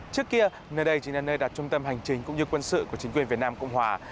trước kia nơi đây chính là nơi đặt trung tâm hành chính cũng như quân sự của chính quyền việt nam cộng hòa